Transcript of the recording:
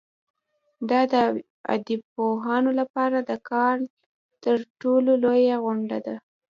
دا د ادبپوهانو لپاره د کال تر ټولو لویه غونډه ده.